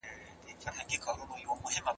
عمر وویل چې زه باید د دې غلام پوره بیه ادا کړم.